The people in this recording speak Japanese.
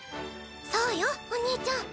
そうよお兄ちゃん。